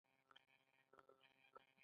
جنسیت یوه غیر اکتسابي ځانګړتیا ده.